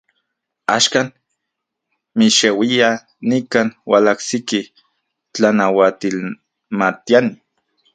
Axkan, mixeuia, nikan ualajsiki tlanauatilmatiani.